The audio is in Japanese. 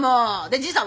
じいさん